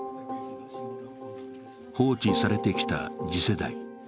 放置されてきた次世代。